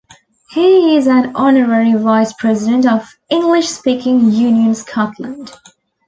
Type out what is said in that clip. He is an Honorary Vice-President of English-Speaking Union Scotland.